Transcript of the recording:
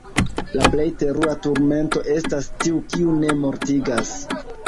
La plej terura turmento estas tiu, kiu ne mortigas!